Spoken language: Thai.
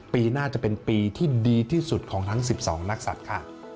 ปีหน้าจะเป็นปีที่ดีที่สุดของทั้ง๑๒นักศัตริย์ค่ะ